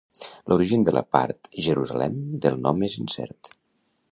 L'origen de la part "Jerusalem" del nom és incert.